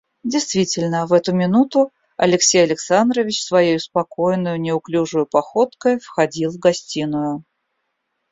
Действительно, в эту минуту Алексей Александрович своею спокойною, неуклюжею походкой входил в гостиную.